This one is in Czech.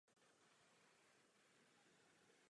Zcela s tím souhlasíme.